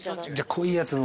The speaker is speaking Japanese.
濃いやつで。